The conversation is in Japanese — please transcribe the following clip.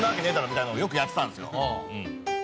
みたいなのをよくやってたんですよ。